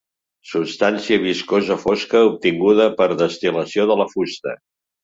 Substància viscosa fosca obtinguda per destil·lació de la fusta.